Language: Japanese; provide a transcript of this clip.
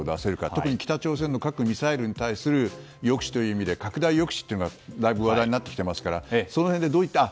特に北朝鮮の核ミサイルに対する抑止という意味で拡大抑止というのがだいぶ話題になっていますから。